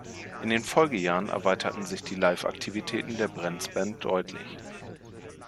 In den Folgejahren erweiterten sich die Live-Aktivitäten der Brenz Band deutlich.